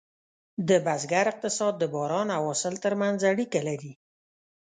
د بزګر اقتصاد د باران او حاصل ترمنځ اړیکه لري.